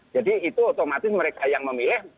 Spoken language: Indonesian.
jadi itu otomatis mereka yang memilih